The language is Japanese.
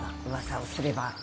うわさをすれば。